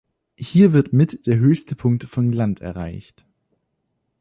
Hier wird mit der höchste Punkt von Gland erreicht.